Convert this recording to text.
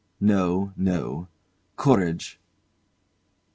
No, no. Courage!